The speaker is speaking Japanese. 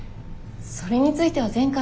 それについては前回。